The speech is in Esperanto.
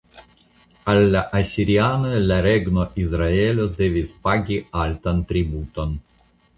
Al la asirianoj la regno Izraelo devis pagi altan tributon.